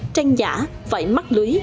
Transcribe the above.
trang giả vải mắt lưới